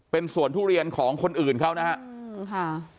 เป็นสวนทุเรียนของคนอื่นเขานะครับ